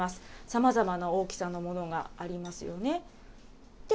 さまざまな大きさのものがありますよね。